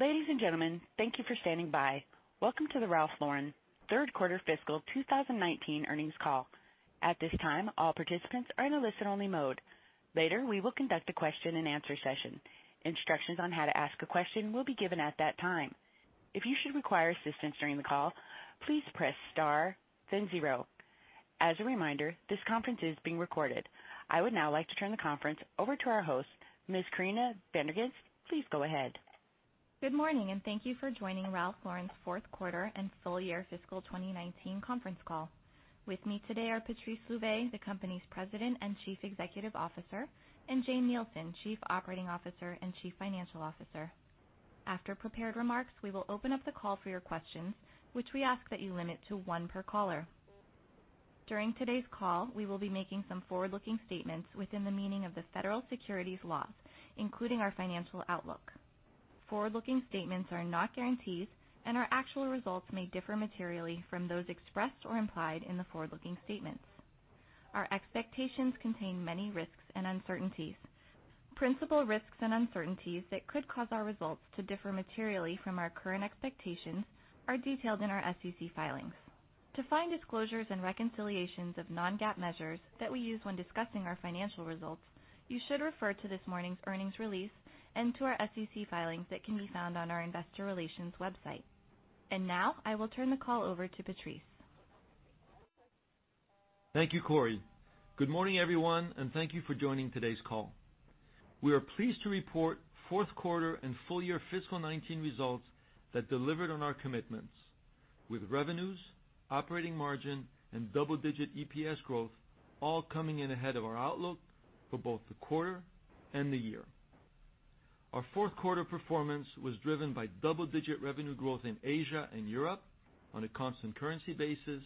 Ladies and gentlemen, thank you for standing by. Welcome to the Ralph Lauren third quarter fiscal 2019 earnings call. At this time, all participants are in a listen-only mode. Later, we will conduct a question and answer session. Instructions on how to ask a question will be given at that time. If you should require assistance during the call, please press star, then zero. As a reminder, this conference is being recorded. I would now like to turn the conference over to our host, Ms. Corinna Van der Ghinst. Please go ahead. Good morning, and thank you for joining Ralph Lauren's fourth quarter and full year fiscal 2019 conference call. With me today are Patrice Louvet, the company's President and Chief Executive Officer, and Jane Nielsen, Chief Operating Officer and Chief Financial Officer. After prepared remarks, we will open up the call for your questions, which we ask that you limit to one per caller. During today's call, we will be making some forward-looking statements within the meaning of the federal securities laws, including our financial outlook. Forward-looking statements are not guarantees and our actual results may differ materially from those expressed or implied in the forward-looking statements. Our expectations contain many risks and uncertainties. Principal risks and uncertainties that could cause our results to differ materially from our current expectations are detailed in our SEC filings. To find disclosures and reconciliations of non-GAAP measures that we use when discussing our financial results, you should refer to this morning's earnings release and to our SEC filings that can be found on our investor relations website. Now, I will turn the call over to Patrice. Thank you, Corry. Good morning, everyone, and thank you for joining today's call. We are pleased to report fourth quarter and full year FY 2019 results that delivered on our commitments with revenues, operating margin, and double-digit EPS growth all coming in ahead of our outlook for both the quarter and the year. Our fourth quarter performance was driven by double-digit revenue growth in Asia and Europe on a constant currency basis,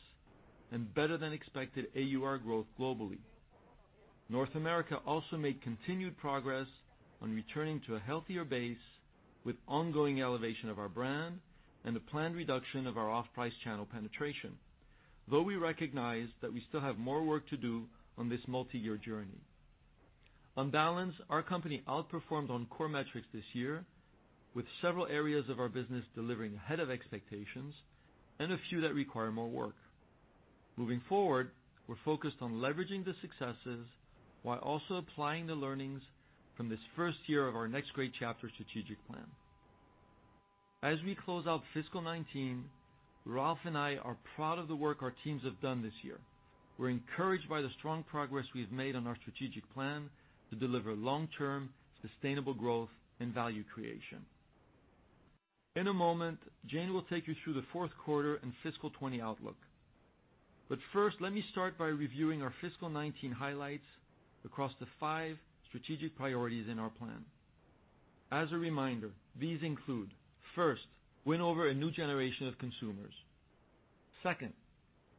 and better than expected AUR growth globally. North America also made continued progress on returning to a healthier base with ongoing elevation of our brand and the planned reduction of our off-price channel penetration, though we recognize that we still have more work to do on this multi-year journey. On balance, our company outperformed on core metrics this year, with several areas of our business delivering ahead of expectations and a few that require more work. Moving forward, we're focused on leveraging the successes while also applying the learnings from this first year of our Next Great Chapter strategic plan. As we close out fiscal 2019, Ralph and I are proud of the work our teams have done this year. We're encouraged by the strong progress we've made on our strategic plan to deliver long-term, sustainable growth and value creation. In a moment, Jane will take you through the fourth quarter and fiscal 2020 outlook. First, let me start by reviewing our fiscal 2019 highlights across the five strategic priorities in our plan. As a reminder, these include, first, win over a new generation of consumers. Second,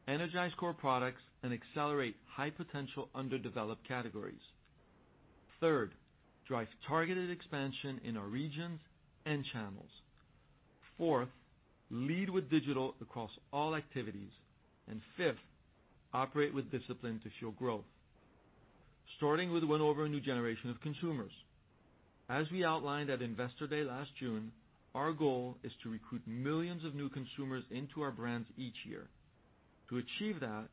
energize core products and accelerate high-potential underdeveloped categories. Third, drive targeted expansion in our regions and channels. Fourth, lead with digital across all activities. And fifth, operate with discipline to fuel growth. Starting with win over a new generation of consumers. As we outlined at Investor Day last June, our goal is to recruit millions of new consumers into our brands each year. To achieve that,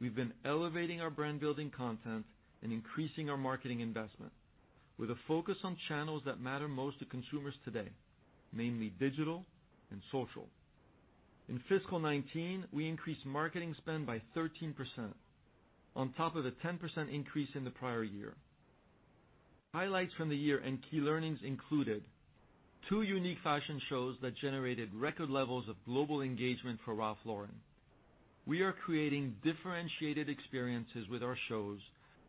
we've been elevating our brand-building content and increasing our marketing investment with a focus on channels that matter most to consumers today, mainly digital and social. In fiscal 2019, we increased marketing spend by 13% on top of the 10% increase in the prior year. Highlights from the year and key learnings included two unique fashion shows that generated record levels of global engagement for Ralph Lauren. We are creating differentiated experiences with our shows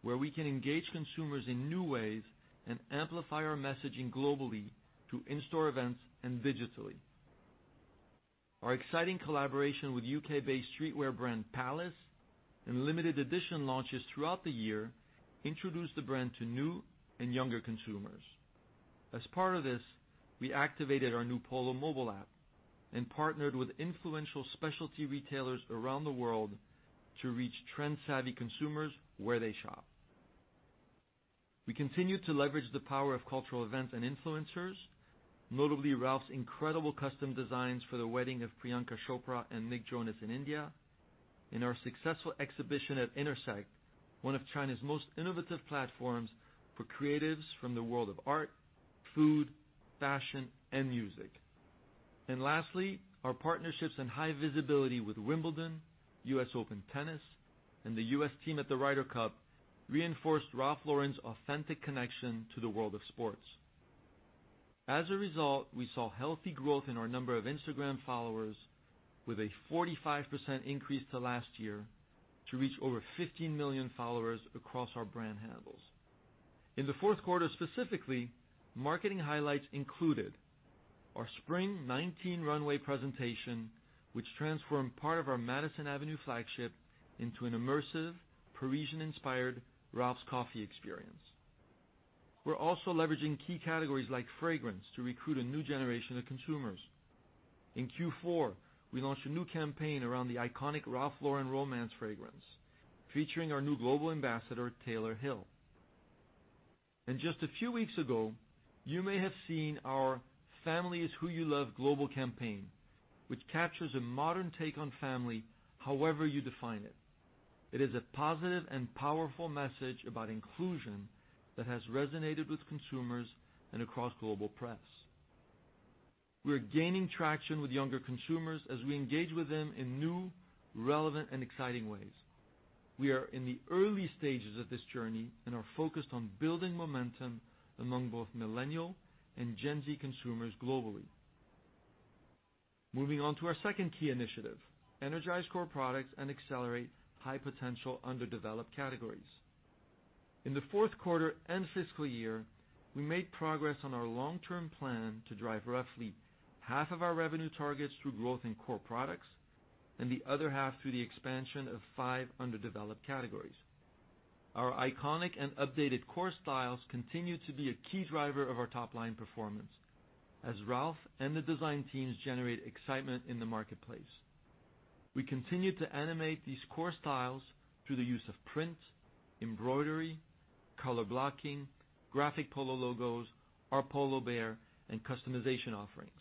where we can engage consumers in new ways and amplify our messaging globally through in-store events and digitally. Our exciting collaboration with U.K.-based streetwear brand Palace and limited edition launches throughout the year introduced the brand to new and younger consumers. As part of this, we activated our new Polo mobile app and partnered with influential specialty retailers around the world to reach trend-savvy consumers where they shop. We continued to leverage the power of cultural events and influencers, notably Ralph's incredible custom designs for the wedding of Priyanka Chopra and Nick Jonas in India, and our successful exhibition at INNERSECT, one of China's most innovative platforms for creatives from the world of art, food, fashion, and music. Lastly, our partnerships and high visibility with Wimbledon, US Open Tennis, and the U.S. team at the Ryder Cup reinforced Ralph Lauren's authentic connection to the world of sports. As a result, we saw healthy growth in our number of Instagram followers with a 45% increase to last year to reach over 15 million followers across our brand handles. In the fourth quarter specifically, marketing highlights included our Spring 2019 runway presentation, which transformed part of our Madison Avenue flagship into an immersive Parisian-inspired Ralph's Coffee experience. We're also leveraging key categories like fragrance to recruit a new generation of consumers. In Q4, we launched a new campaign around the iconic Ralph Lauren Romance fragrance, featuring our new global ambassador, Taylor Hill. Just a few weeks ago, you may have seen our Family Is Who You Love global campaign, which captures a modern take on family however you define it. It is a positive and powerful message about inclusion that has resonated with consumers and across global press. We're gaining traction with younger consumers as we engage with them in new, relevant, and exciting ways. We are in the early stages of this journey and are focused on building momentum among both Millennial and Gen Z consumers globally. Moving on to our second key initiative, Energize Core Products and Accelerate High-Potential Underdeveloped Categories. In the fourth quarter and fiscal year, we made progress on our long-term plan to drive roughly half of our revenue targets through growth in core products, and the other half through the expansion of 5 underdeveloped categories. Our iconic and updated core styles continue to be a key driver of our top-line performance as Ralph and the design teams generate excitement in the marketplace. We continue to animate these core styles through the use of prints, embroidery, color blocking, graphic Polo logos, our Polo Bear, and customization offerings.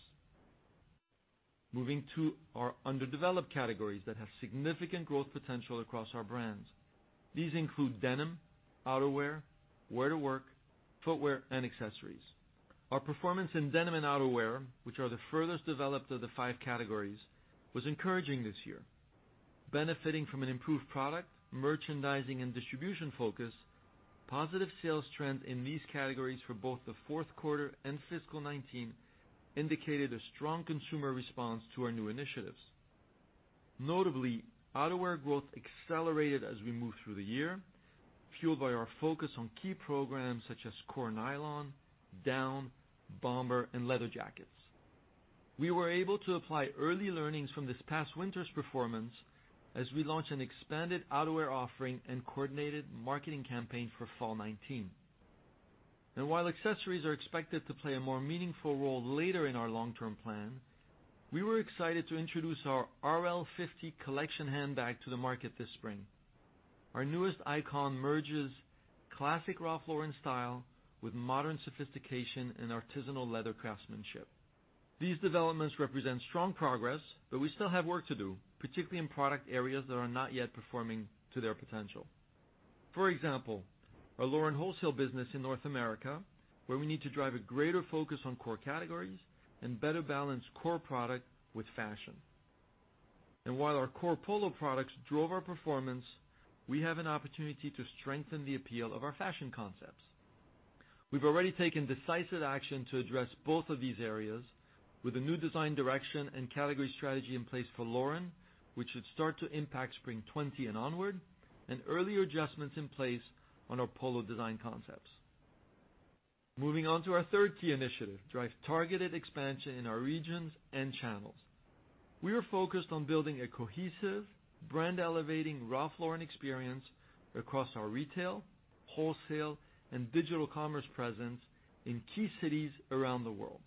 Moving to our underdeveloped categories that have significant growth potential across our brands. These include denim, outerwear, wear-to-work, footwear, and accessories. Our performance in denim and outerwear, which are the furthest developed of the 5 categories, was encouraging this year. Benefiting from an improved product, merchandising, and distribution focus, positive sales trends in these categories for both the fourth quarter and FY 2019 indicated a strong consumer response to our new initiatives. Notably, outerwear growth accelerated as we moved through the year, fueled by our focus on key programs such as core nylon, down, bomber, and leather jackets. We were able to apply early learnings from this past winter's performance as we launch an expanded outerwear offering and coordinated marketing campaign for fall 2019. While accessories are expected to play a more meaningful role later in our long-term plan, we were excited to introduce our RL50 collection handbag to the market this spring. Our newest icon merges classic Ralph Lauren style with modern sophistication and artisanal leather craftsmanship. These developments represent strong progress, but we still have work to do, particularly in product areas that are not yet performing to their potential. For example, our Lauren wholesale business in North America, where we need to drive a greater focus on core categories and better balance core product with fashion. While our core Polo products drove our performance, we have an opportunity to strengthen the appeal of our fashion concepts. We've already taken decisive action to address both of these areas with a new design direction and category strategy in place for Lauren, which should start to impact spring 2020 and onward, and early adjustments in place on our Polo design concepts. Moving on to our third key initiative, Drive Targeted Expansion in Our Regions and Channels. We are focused on building a cohesive brand-elevating Ralph Lauren experience across our retail, wholesale, and digital commerce presence in key cities around the world.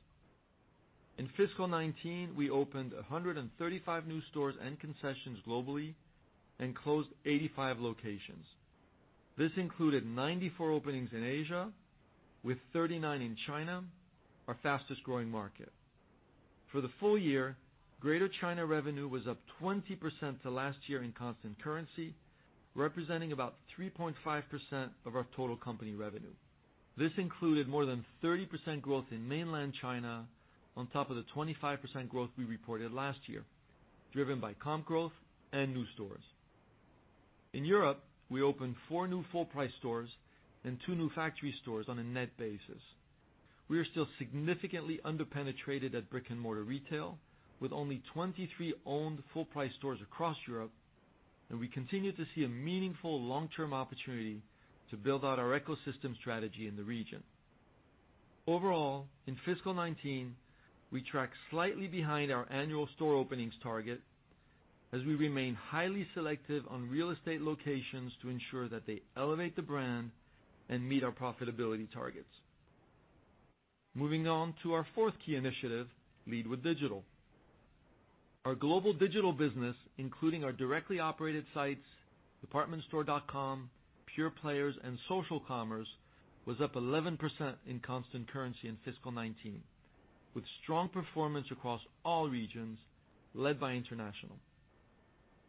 In FY 2019, we opened 135 new stores and concessions globally and closed 85 locations. This included 94 openings in Asia, with 39 in China, our fastest-growing market. For the full year, greater China revenue was up 20% to last year in constant currency, representing about 3.5% of our total company revenue. This included more than 30% growth in mainland China, on top of the 25% growth we reported last year, driven by comp growth and new stores. In Europe, we opened 4 new full-price stores and 2 new factory stores on a net basis. We are still significantly underpenetrated at brick-and-mortar retail, with only 23 owned full-price stores across Europe, and we continue to see a meaningful long-term opportunity to build out our ecosystem strategy in the region. Overall, in fiscal 2019, we tracked slightly behind our annual store openings target as we remain highly selective on real estate locations to ensure that they elevate the brand and meet our profitability targets. Moving on to our fourth key initiative, lead with digital. Our global digital business, including our directly operated sites, departmentstore.com, pure players, and social commerce, was up 11% in constant currency in fiscal 2019, with strong performance across all regions led by international.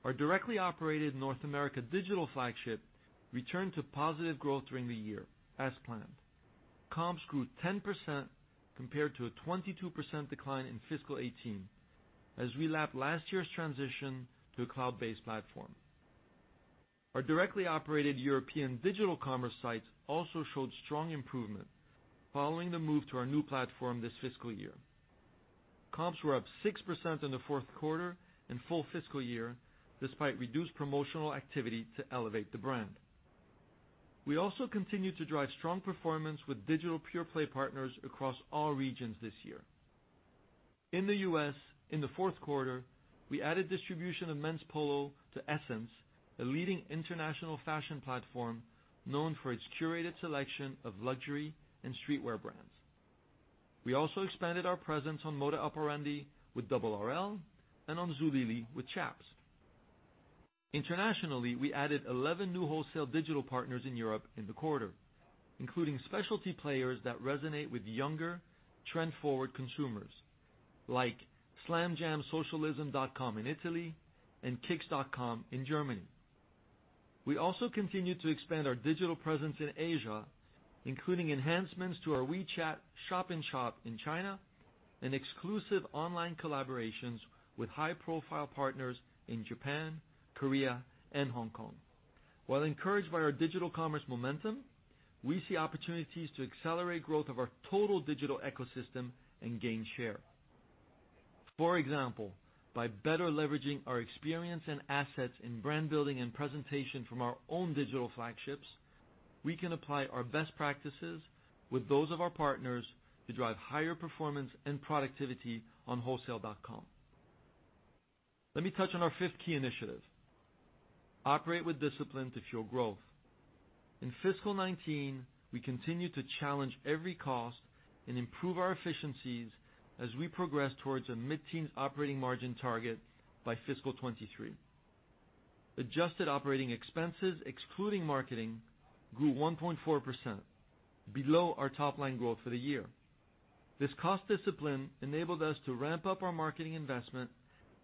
Our directly operated North America digital flagship returned to positive growth during the year as planned. Comps grew 10% compared to a 22% decline in fiscal 2018 as we lapped last year's transition to a cloud-based platform. Our directly operated European digital commerce sites also showed strong improvement following the move to our new platform this fiscal year. Comps were up 6% in the fourth quarter and full fiscal year, despite reduced promotional activity to elevate the brand. We also continued to drive strong performance with digital pure-play partners across all regions this year. In the U.S., in the fourth quarter, we added distribution of men's Polo to SSENSE, a leading international fashion platform known for its curated selection of luxury and streetwear brands. We also expanded our presence on Moda Operandi with Double RL and on Zulily with Chaps. Internationally, we added 11 new wholesale digital partners in Europe in the quarter, including specialty players that resonate with younger trend-forward consumers like Slam Jam Socialism in Italy and kickz.com in Germany. We also continued to expand our digital presence in Asia, including enhancements to our WeChat shop-in-shop in China and exclusive online collaborations with high-profile partners in Japan, Korea, and Hong Kong. While encouraged by our digital commerce momentum, we see opportunities to accelerate growth of our total digital ecosystem and gain share. For example, by better leveraging our experience and assets in brand building and presentation from our own digital flagships, we can apply our best practices with those of our partners to drive higher performance and productivity on wholesale.com. Let me touch on our fifth key initiative: operate with discipline to fuel growth. In fiscal 2019, we continued to challenge every cost and improve our efficiencies as we progress towards a mid-teens operating margin target by fiscal 2023. Adjusted operating expenses, excluding marketing, grew 1.4%, below our top-line growth for the year. This cost discipline enabled us to ramp up our marketing investment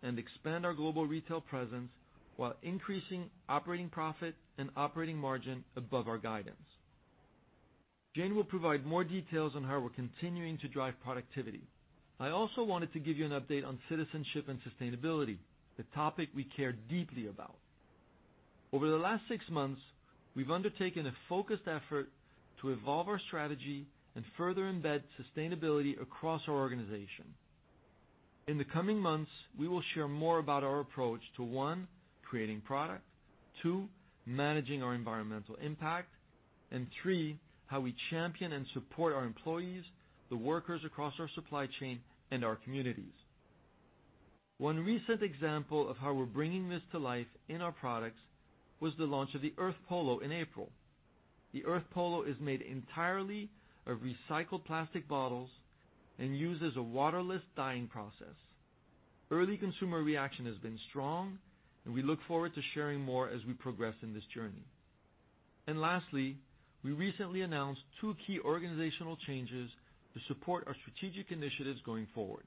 and expand our global retail presence while increasing operating profit and operating margin above our guidance. Jane will provide more details on how we're continuing to drive productivity. I also wanted to give you an update on citizenship and sustainability, the topic we care deeply about. Over the last six months, we've undertaken a focused effort to evolve our strategy and further embed sustainability across our organization. In the coming months, we will share more about our approach to, one, creating product. Two, managing our environmental impact. Three, how we champion and support our employees, the workers across our supply chain, and our communities. One recent example of how we're bringing this to life in our products was the launch of the Earth Polo in April. The Earth Polo is made entirely of recycled plastic bottles and uses a waterless dyeing process. Early consumer reaction has been strong. We look forward to sharing more as we progress in this journey. Lastly, we recently announced two key organizational changes to support our strategic initiatives going forward.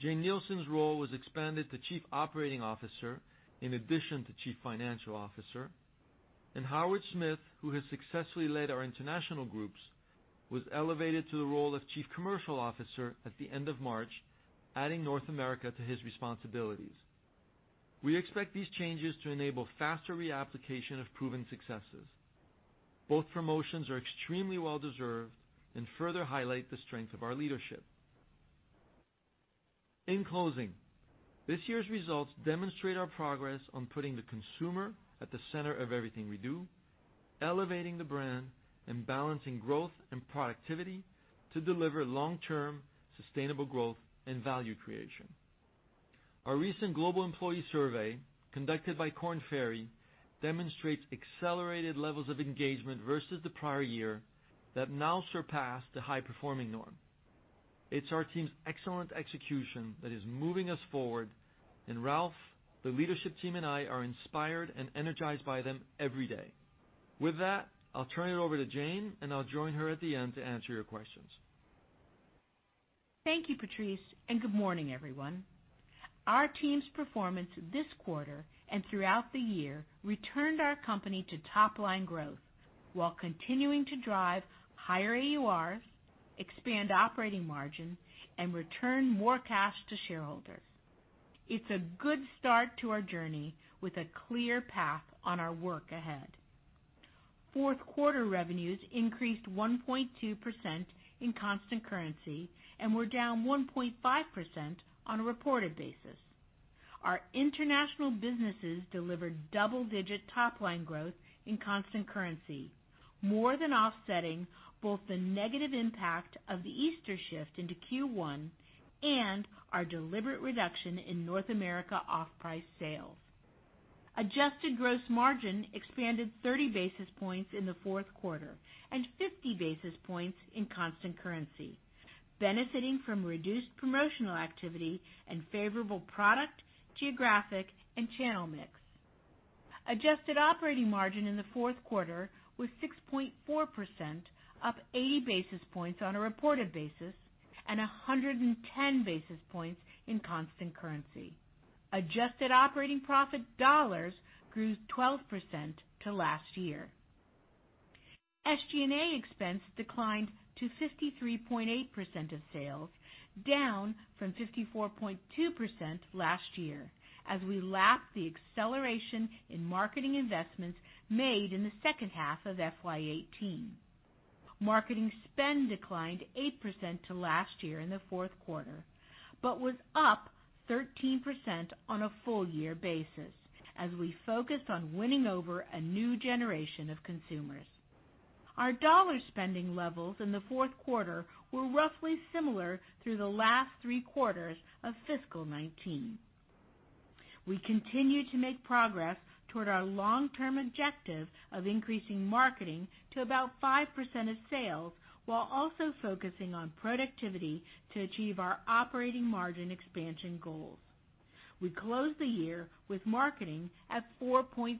Jane Nielsen's role was expanded to Chief Operating Officer in addition to Chief Financial Officer. Howard Smith, who has successfully led our international groups, was elevated to the role of Chief Commercial Officer at the end of March, adding North America to his responsibilities. We expect these changes to enable faster reapplication of proven successes. Both promotions are extremely well-deserved and further highlight the strength of our leadership. In closing, this year's results demonstrate our progress on putting the consumer at the center of everything we do, elevating the brand, and balancing growth and productivity to deliver long-term sustainable growth and value creation. Our recent global employee survey, conducted by Korn Ferry, demonstrates accelerated levels of engagement versus the prior year that now surpass the high-performing norm. It's our team's excellent execution that is moving us forward, and Ralph, the leadership team, and I are inspired and energized by them every day. With that, I'll turn it over to Jane, and I'll join her at the end to answer your questions. Thank you, Patrice, and good morning, everyone. Our team's performance this quarter and throughout the year returned our company to top-line growth while continuing to drive higher AURs, expand operating margin, and return more cash to shareholders. It's a good start to our journey with a clear path on our work ahead. Fourth quarter revenues increased 1.2% in constant currency and were down 1.5% on a reported basis. Our international businesses delivered double-digit top-line growth in constant currency, more than offsetting both the negative impact of the Easter shift into Q1 and our deliberate reduction in North America off-price sales. Adjusted gross margin expanded 30 basis points in the fourth quarter and 50 basis points in constant currency, benefiting from reduced promotional activity and favorable product, geographic, and channel mix. Adjusted operating margin in the fourth quarter was 6.4%, up 80 basis points on a reported basis and 110 basis points in constant currency. Adjusted operating profit dollars grew 12% to last year. SG&A expense declined to 53.8% of sales, down from 54.2% last year, as we lapped the acceleration in marketing investments made in the second half of FY '18. Marketing spend declined 8% to last year in the fourth quarter but was up 13% on a full year basis as we focused on winning over a new generation of consumers. Our dollar spending levels in the fourth quarter were roughly similar through the last three quarters of fiscal '19. We continue to make progress toward our long-term objective of increasing marketing to about 5% of sales, while also focusing on productivity to achieve our operating margin expansion goals. We closed the year with marketing at 4.3%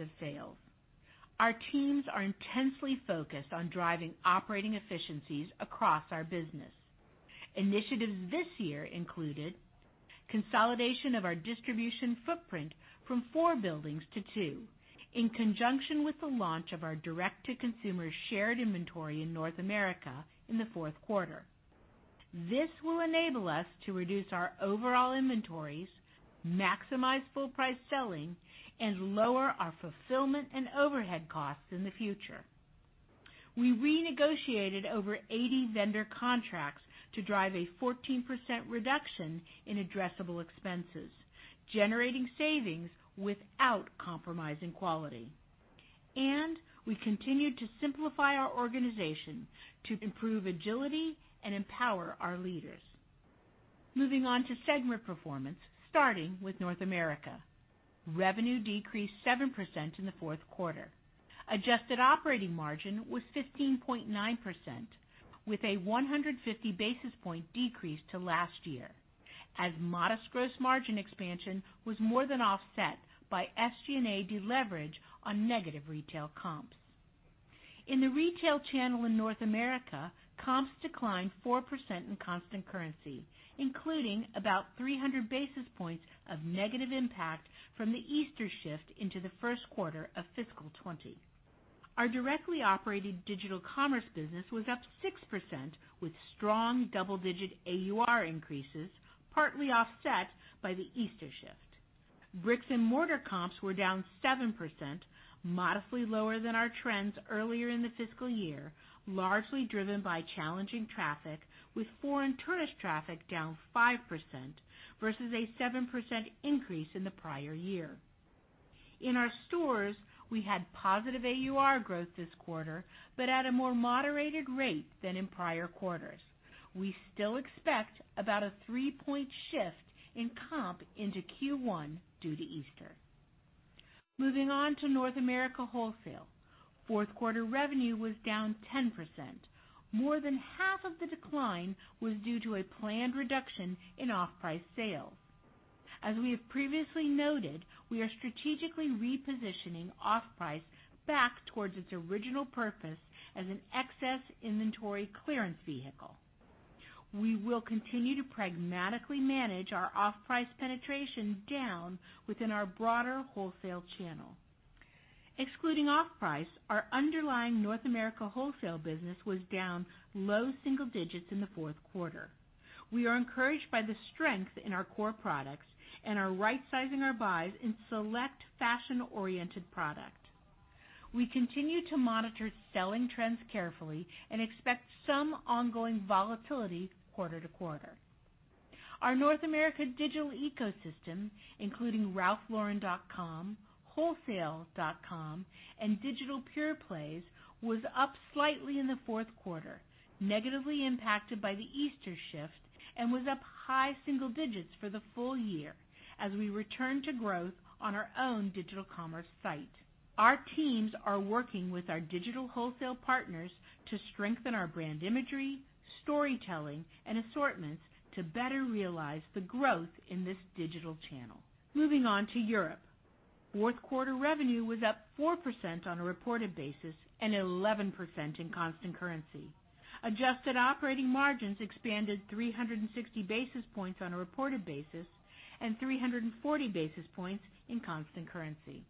of sales. Our teams are intensely focused on driving operating efficiencies across our business. Initiatives this year included consolidation of our distribution footprint from four buildings to two, in conjunction with the launch of our direct-to-consumer shared inventory in North America in the fourth quarter. This will enable us to reduce our overall inventories, maximize full price selling, and lower our fulfillment and overhead costs in the future. We renegotiated over 80 vendor contracts to drive a 14% reduction in addressable expenses, generating savings without compromising quality. We continued to simplify our organization to improve agility and empower our leaders. Moving on to segment performance, starting with North America. Revenue decreased 7% in the fourth quarter. Adjusted operating margin was 15.9% with a 150 basis point decrease to last year, as modest gross margin expansion was more than offset by SG&A deleverage on negative retail comps. In the retail channel in North America, comps declined 4% in constant currency, including about 300 basis points of negative impact from the Easter shift into the first quarter of FY 2020. Our directly operated digital commerce business was up 6% with strong double-digit AUR increases, partly offset by the Easter shift. Bricks and mortar comps were down 7%, modestly lower than our trends earlier in the fiscal year, largely driven by challenging traffic, with foreign tourist traffic down 5% versus a 7% increase in the prior year. In our stores, we had positive AUR growth this quarter, but at a more moderated rate than in prior quarters. We still expect about a 3-point shift in comp into Q1 due to Easter. Moving on to North America wholesale. Fourth quarter revenue was down 10%. More than half of the decline was due to a planned reduction in off-price sales. As we have previously noted, we are strategically repositioning off-price back towards its original purpose as an excess inventory clearance vehicle. We will continue to pragmatically manage our off-price penetration down within our broader wholesale channel. Excluding off-price, our underlying North America wholesale business was down low single digits in the fourth quarter. We are encouraged by the strength in our core products and are rightsizing our buys in select fashion-oriented product. We continue to monitor selling trends carefully and expect some ongoing volatility quarter to quarter. Our North America digital ecosystem, including ralphlauren.com, wholesale.com, and digital pure plays, was up slightly in the fourth quarter, negatively impacted by the Easter shift, and was up high single digits for the full year as we return to growth on our own digital commerce site. Our teams are working with our digital wholesale partners to strengthen our brand imagery, storytelling, and assortments to better realize the growth in this digital channel. Moving on to Europe. Fourth quarter revenue was up 4% on a reported basis and 11% in constant currency. Adjusted operating margins expanded 360 basis points on a reported basis and 340 basis points in constant currency.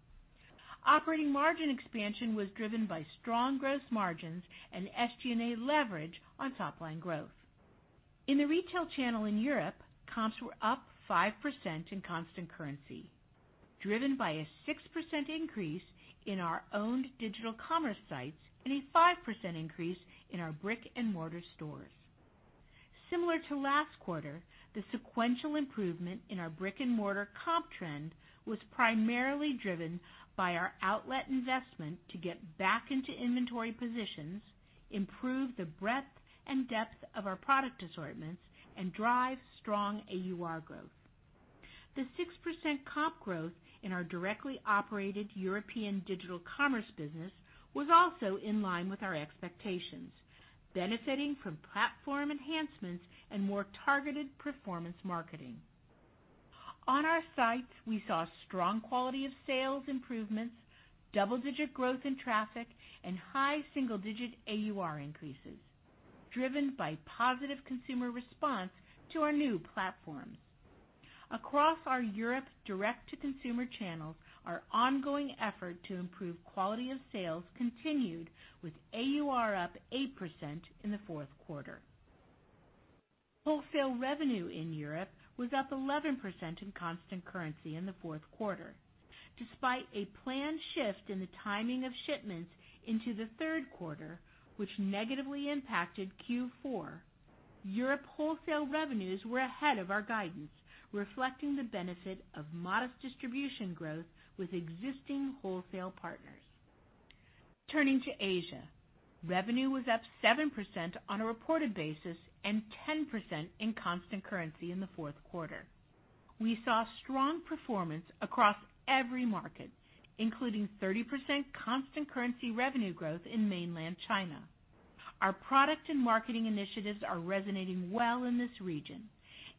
Operating margin expansion was driven by strong gross margins and SG&A leverage on top-line growth. In the retail channel in Europe, comps were up 5% in constant currency, driven by a 6% increase in our owned digital commerce sites and a 5% increase in our brick-and-mortar stores. Similar to last quarter, the sequential improvement in our brick-and-mortar comp trend was primarily driven by our outlet investment to get back into inventory positions, improve the breadth and depth of our product assortments, and drive strong AUR growth. The 6% comp growth in our directly operated European digital commerce business was also in line with our expectations, benefiting from platform enhancements and more targeted performance marketing. On our sites, we saw strong quality of sales improvements, double-digit growth in traffic, and high single-digit AUR increases driven by positive consumer response to our new platforms. Across our Europe direct-to-consumer channels, our ongoing effort to improve quality of sales continued with AUR up 8% in the fourth quarter. Wholesale revenue in Europe was up 11% in constant currency in the fourth quarter. Despite a planned shift in the timing of shipments into the third quarter, which negatively impacted Q4, Europe wholesale revenues were ahead of our guidance, reflecting the benefit of modest distribution growth with existing wholesale partners. Turning to Asia. Revenue was up 7% on a reported basis and 10% in constant currency in the fourth quarter. We saw strong performance across every market, including 30% constant currency revenue growth in mainland China. Our product and marketing initiatives are resonating well in this region,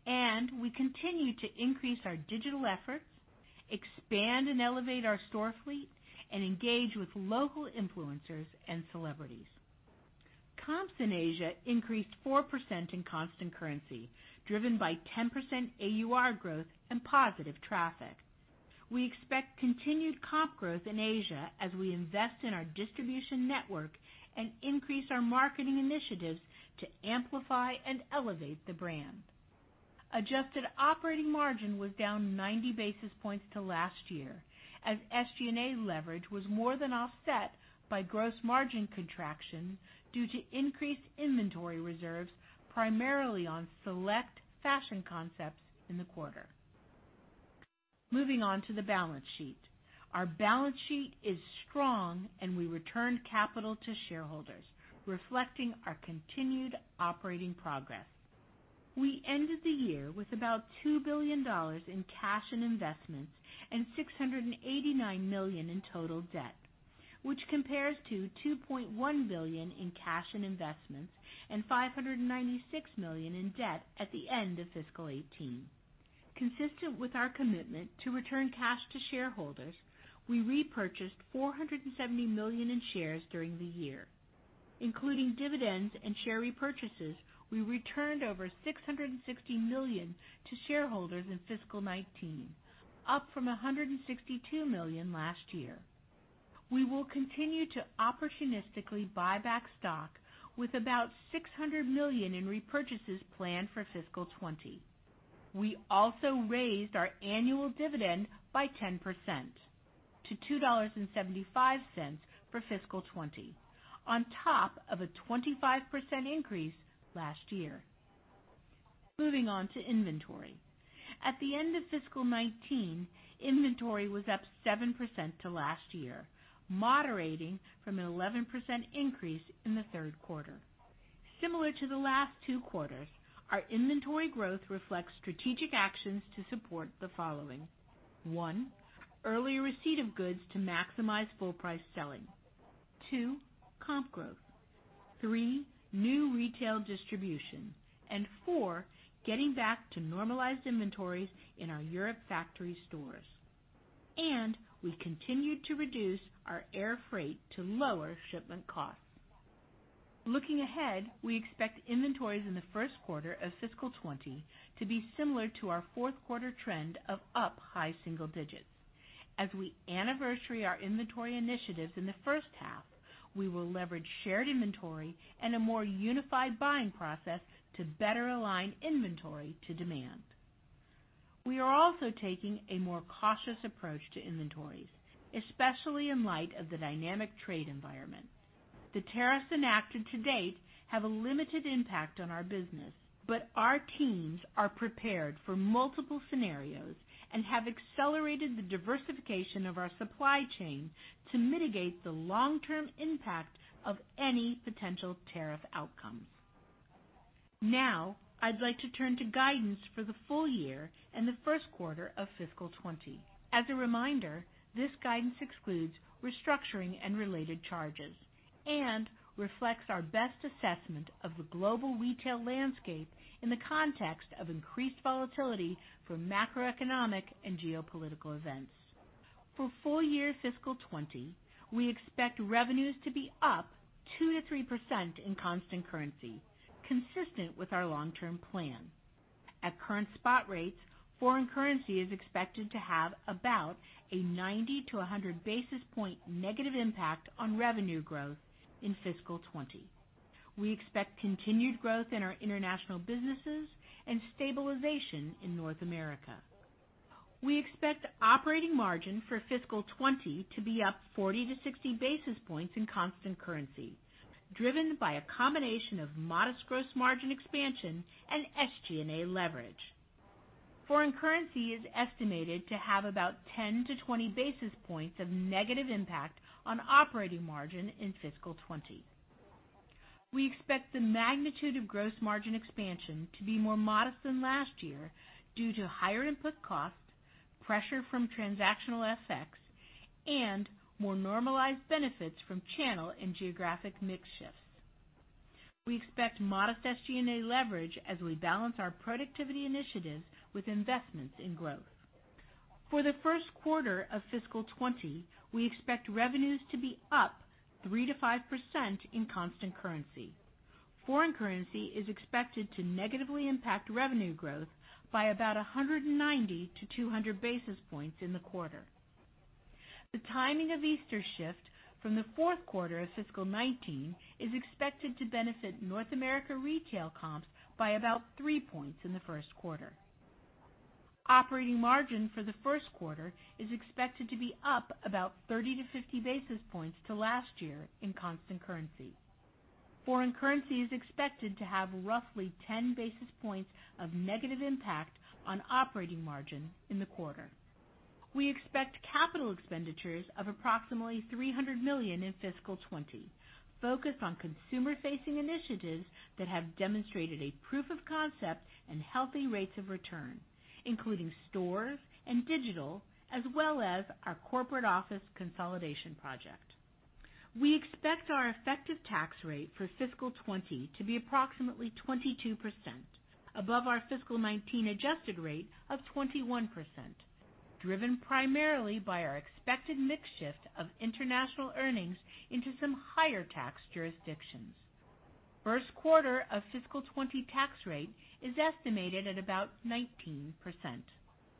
and we continue to increase our digital efforts, expand and elevate our store fleet, and engage with local influencers and celebrities. Comps in Asia increased 4% in constant currency, driven by 10% AUR growth and positive traffic. We expect continued comp growth in Asia as we invest in our distribution network and increase our marketing initiatives to amplify and elevate the brand. Adjusted operating margin was down 90 basis points to last year, as SG&A leverage was more than offset by gross margin contraction due to increased inventory reserves, primarily on select fashion concepts in the quarter. Moving on to the balance sheet. Our balance sheet is strong, and we returned capital to shareholders, reflecting our continued operating progress. We ended the year with about $2 billion in cash and investments and $689 million in total debt, which compares to $2.1 billion in cash and investments and $596 million in debt at the end of fiscal 2018. Consistent with our commitment to return cash to shareholders, we repurchased $470 million in shares during the year. Including dividends and share repurchases, we returned over $660 million to shareholders in fiscal 2019, up from $162 million last year. We will continue to opportunistically buy back stock with about $600 million in repurchases planned for fiscal 2020. We also raised our annual dividend by 10% to $2.75 for fiscal 2020, on top of a 25% increase last year. Moving on to inventory. At the end of fiscal 2019, inventory was up 7% to last year, moderating from an 11% increase in the third quarter. Similar to the last two quarters, our inventory growth reflects strategic actions to support the following. One, earlier receipt of goods to maximize full price selling. Two, comp growth. Three, new retail distribution. Four, getting back to normalized inventories in our Europe factory stores. We continued to reduce our air freight to lower shipment costs. Looking ahead, we expect inventories in the first quarter of fiscal 2020 to be similar to our fourth quarter trend of up high single digits. As we anniversary our inventory initiatives in the first half, we will leverage shared inventory and a more unified buying process to better align inventory to demand. We are also taking a more cautious approach to inventories, especially in light of the dynamic trade environment. The tariffs enacted to date have a limited impact on our business. Our teams are prepared for multiple scenarios and have accelerated the diversification of our supply chain to mitigate the long-term impact of any potential tariff outcomes. Now, I'd like to turn to guidance for the full year and the first quarter of fiscal 2020. As a reminder, this guidance excludes restructuring and related charges and reflects our best assessment of the global retail landscape in the context of increased volatility from macroeconomic and geopolitical events. For full year fiscal 2020, we expect revenues to be up 2%-3% in constant currency, consistent with our long-term plan. At current spot rates, foreign currency is expected to have about a 90 to 100 basis points negative impact on revenue growth in fiscal 2020. We expect continued growth in our international businesses and stabilization in North America. We expect operating margin for fiscal 2020 to be up 40 to 60 basis points in constant currency, driven by a combination of modest gross margin expansion and SG&A leverage. Foreign currency is estimated to have about 10 to 20 basis points of negative impact on operating margin in fiscal 2020. We expect the magnitude of gross margin expansion to be more modest than last year due to higher input costs, pressure from transactional FX, and more normalized benefits from channel and geographic mix shifts. We expect modest SG&A leverage as we balance our productivity initiatives with investments in growth. For the first quarter of fiscal 2020, we expect revenues to be up 3%-5% in constant currency. Foreign currency is expected to negatively impact revenue growth by about 190 to 200 basis points in the quarter. The timing of Easter shift from the fourth quarter of fiscal 2019 is expected to benefit North America retail comps by about 3 points in the first quarter. Operating margin for the first quarter is expected to be up about 30 to 50 basis points to last year in constant currency. Foreign currency is expected to have roughly 10 basis points of negative impact on operating margin in the quarter. We expect capital expenditures of approximately $300 million in fiscal 2020, focused on consumer-facing initiatives that have demonstrated a proof of concept and healthy rates of return, including stores and digital, as well as our corporate office consolidation project. We expect our effective tax rate for fiscal 2020 to be approximately 22%, above our fiscal 2019 adjusted rate of 21%, driven primarily by our expected mix shift of international earnings into some higher tax jurisdictions. First quarter of fiscal 2020 tax rate is estimated at about 19%.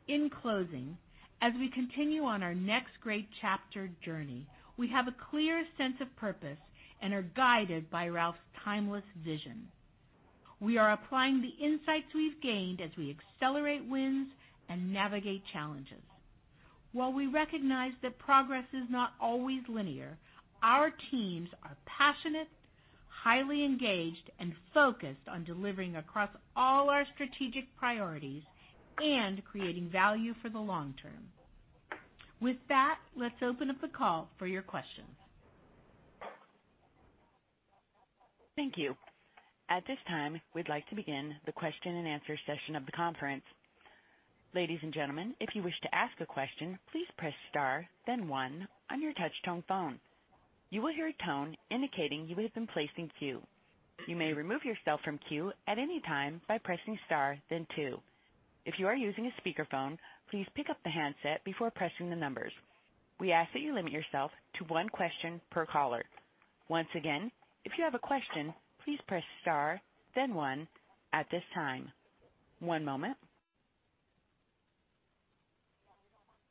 In closing, as we continue on our Next Great Chapter journey, we have a clear sense of purpose and are guided by Ralph's timeless vision. We are applying the insights we've gained as we accelerate wins and navigate challenges. While we recognize that progress is not always linear, our teams are passionate, highly engaged, and focused on delivering across all our strategic priorities and creating value for the long term. With that, let's open up the call for your questions. Thank you. At this time, we'd like to begin the question and answer session of the conference. Ladies and gentlemen, if you wish to ask a question, please press star then one on your touch-tone phone. You will hear a tone indicating you have been placed in queue. You may remove yourself from queue at any time by pressing star then two. If you are using a speakerphone, please pick up the handset before pressing the numbers. We ask that you limit yourself to one question per caller. Once again, if you have a question, please press star then one at this time. One moment.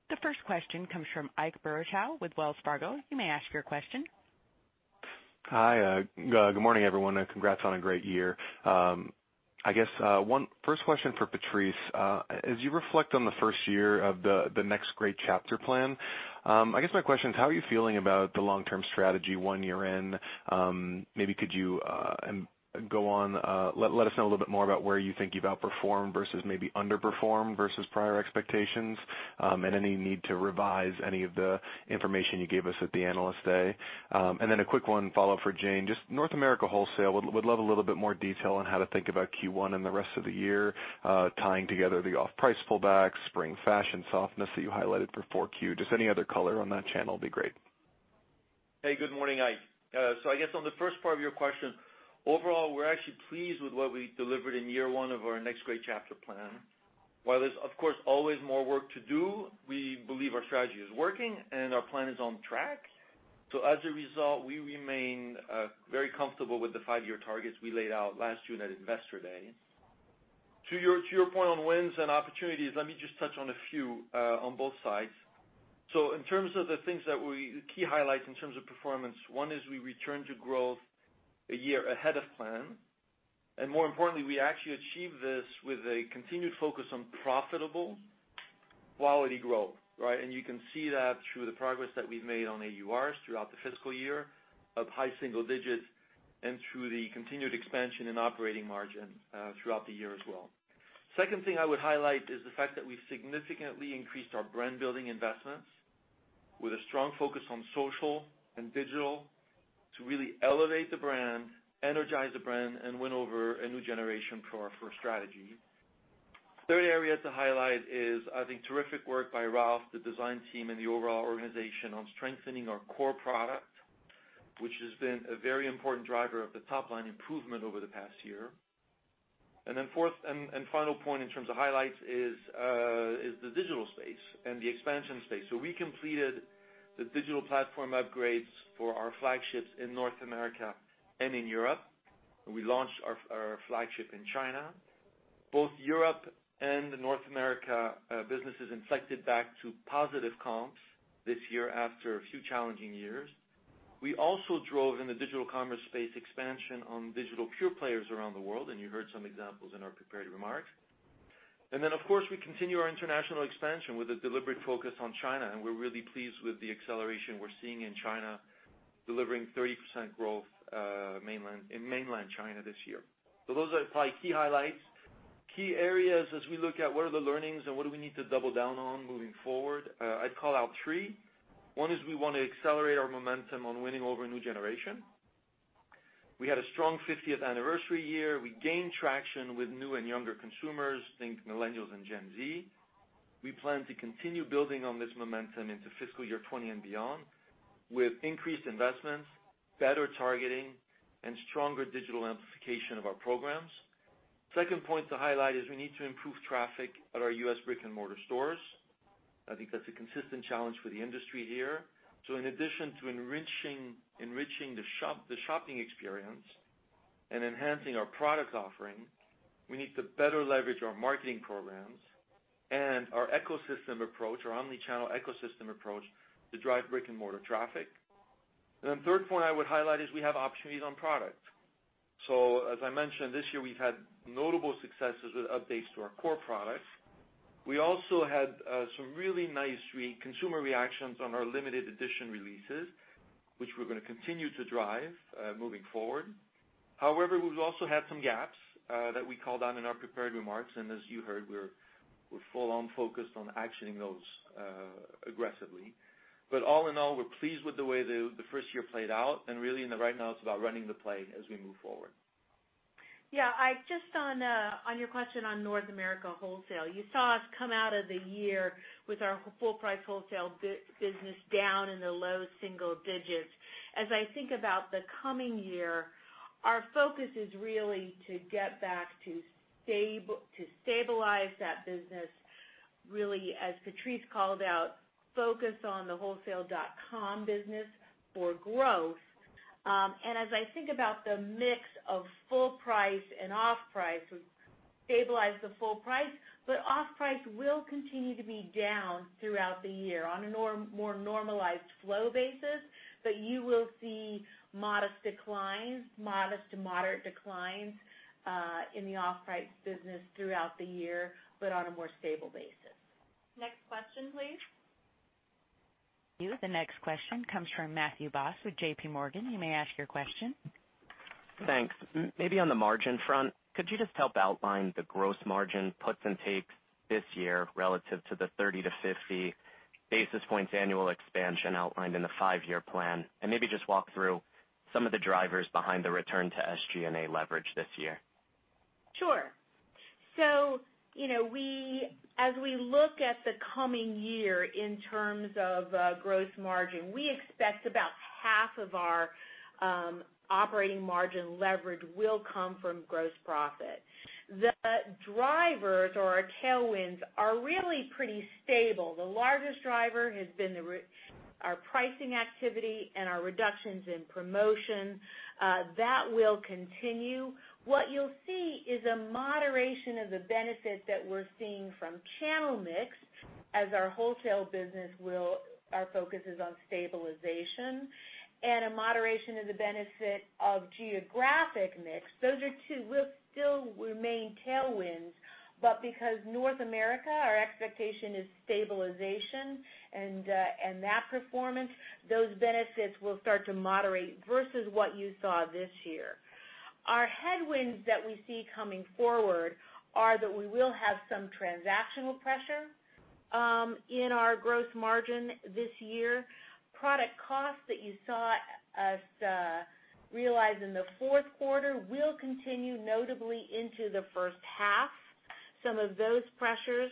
The first question comes from Ike Boruchow with Wells Fargo. You may ask your question. Hi. Good morning, everyone. Congrats on a great year. I guess, first question for Patrice. As you reflect on the first year of the Next Great Chapter plan, I guess my question is, how are you feeling about the long-term strategy one year in? Maybe could you go on, let us know a little bit more about where you think you've outperformed versus maybe underperformed versus prior expectations, and any need to revise any of the information you gave us at the Investor Day. Then a quick one follow-up for Jane. Just North America wholesale, would love a little bit more detail on how to think about Q1 and the rest of the year, tying together the off-price pullback, spring fashion softness that you highlighted for 4Q. Just any other color on that channel would be great. Hey, good morning, Ike. I guess on the first part of your question, overall, we're actually pleased with what we delivered in year one of our Next Great Chapter plan. While there's, of course, always more work to do, we believe our strategy is working and our plan is on track. As a result, we remain very comfortable with the five-year targets we laid out last June at Investor Day. To your point on wins and opportunities, let me just touch on a few, on both sides. In terms of the things that we key highlights in terms of performance. One is we return to growth a year ahead of plan. More importantly, we actually achieve this with a continued focus on profitable quality growth, right? You can see that through the progress that we've made on AURs throughout the fiscal year of high single digits and through the continued expansion in operating margin throughout the year as well. Second thing I would highlight is the fact that we significantly increased our brand-building investments with a strong focus on social and digital to really elevate the brand, energize the brand, and win over a new generation for our strategy. Third area to highlight is, I think terrific work by Ralph, the design team, and the overall organization on strengthening our core product, which has been a very important driver of the top-line improvement over the past year. Fourth and final point in terms of highlights is the digital space and the expansion space. We completed the digital platform upgrades for our flagships in North America and in Europe. We launched our flagship in China. Both Europe and the North America businesses inflected back to positive comps this year after a few challenging years. We also drove in the digital commerce space expansion on digital pure players around the world, and you heard some examples in our prepared remarks. Of course, we continue our international expansion with a deliberate focus on China, and we're really pleased with the acceleration we're seeing in China, delivering 30% growth in mainland China this year. Those are probably key highlights. Key areas as we look at what are the learnings and what do we need to double down on moving forward, I'd call out three. One is we want to accelerate our momentum on winning over a new generation. We had a strong 50th anniversary year. We gained traction with new and younger consumers, think millennials and Gen Z. We plan to continue building on this momentum into fiscal year '20 and beyond with increased investments, better targeting, and stronger digital amplification of our programs. Second point to highlight is we need to improve traffic at our U.S. brick-and-mortar stores. I think that's a consistent challenge for the industry here. In addition to enriching the shopping experience and enhancing our product offering, we need to better leverage our marketing programs and our ecosystem approach, our omni-channel ecosystem approach, to drive brick-and-mortar traffic. Third point I would highlight is we have opportunities on product. As I mentioned this year, we've had notable successes with updates to our core products. We also had some really nice consumer reactions on our limited edition releases, which we're going to continue to drive moving forward. However, we've also had some gaps that we called on in our prepared remarks, and as you heard, we're full-on focused on actioning those aggressively. All in all, we're pleased with the way the first year played out, and really right now, it's about running the play as we move forward. Yeah. Just on your question on North America wholesale. You saw us come out of the year with our full price wholesale business down in the low single digits. As I think about the coming year, our focus is really to get back to stabilize that business, really, as Patrice called out, focus on the wholesale.com business for growth. As I think about the mix of full price and off price, off price will continue to be down throughout the year on a more normalized flow basis. You will see modest to moderate declines in the off-price business throughout the year, but on a more stable basis. Next question, please. The next question comes from Matthew Boss with J.P. Morgan. You may ask your question. Thanks. Maybe on the margin front, could you just help outline the gross margin puts and takes this year relative to the 30-50 basis points annual expansion outlined in the five-year plan? Maybe just walk through some of the drivers behind the return to SG&A leverage this year. Sure. As we look at the coming year in terms of gross margin, we expect about half of our operating margin leverage will come from gross profit. The drivers or our tailwinds are really pretty stable. The largest driver has been our pricing activity and our reductions in promotion. That will continue. What you'll see is a moderation of the benefit that we're seeing from channel mix as our wholesale business, our focus is on stabilization and a moderation of the benefit of geographic mix. Those are two will still remain tailwinds, but because North America, our expectation is stabilization and that performance, those benefits will start to moderate versus what you saw this year. Our headwinds that we see coming forward are that we will have some transactional pressure in our gross margin this year. Product costs that you saw us realize in the fourth quarter will continue notably into the first half, some of those pressures.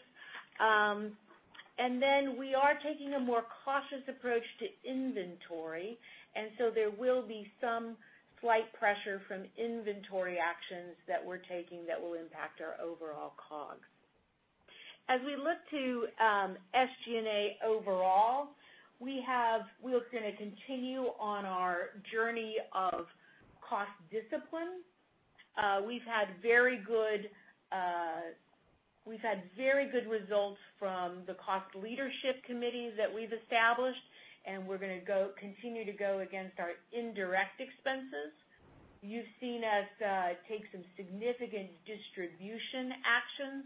We are taking a more cautious approach to inventory, so there will be some slight pressure from inventory actions that we're taking that will impact our overall COGS. We look to SG&A overall, we're going to continue on our journey of cost discipline. We've had very good results from the cost leadership committees that we've established, we're going to continue to go against our indirect expenses. You've seen us take some significant distribution actions,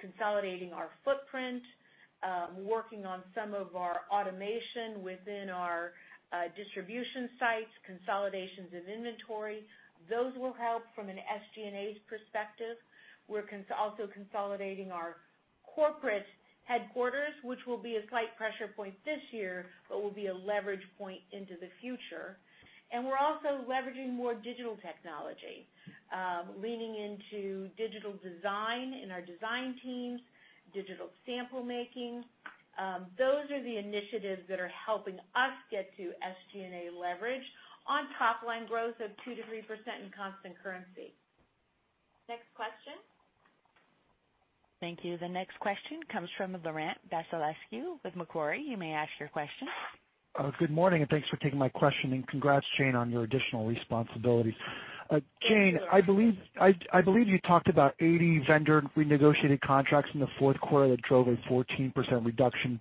consolidating our footprint, working on some of our automation within our distribution sites, consolidations of inventory. Those will help from an SG&A perspective. We're also consolidating our corporate headquarters, which will be a slight pressure point this year, but will be a leverage point into the future. We're also leveraging more digital technology, leaning into digital design in our design teams, digital sample making. Those are the initiatives that are helping us get to SG&A leverage on top line growth of 2%-3% in constant currency. Next question. Thank you. The next question comes from Laurent Vasilescu with Macquarie. You may ask your question. Good morning, and thanks for taking my question, and congrats, Jane, on your additional responsibility. Jane, I believe you talked about 80 vendor renegotiated contracts in the fourth quarter that drove a 14% reduction